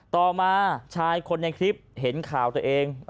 ต่อมาชายคนในคลิปเห็นข่าวตัวเอง